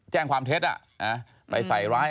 แจ้งความเท็จไปใส่ร้าย